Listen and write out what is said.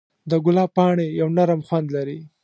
د ګلاب پاڼې یو نرم خوند لري.